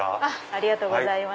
ありがとうございます。